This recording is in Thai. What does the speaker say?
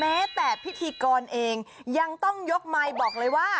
แม้แต่พิธีกรเองยังต้องยกไมค์บอกเลยว่า